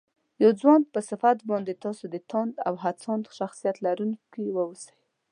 د يو ځوان په صفت بايد تاسو د تاند او هڅاند شخصيت لرونکي واوسئ